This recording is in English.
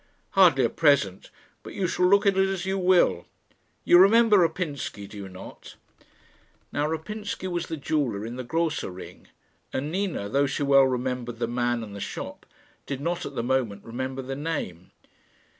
"Hardly a present; but you shall look at it as you will. You remember Rapinsky, do you not?" Now Rapinsky was the jeweller in the Grosser Ring, and Nina, though she well remembered the man and the shop, did not at the moment remember the name.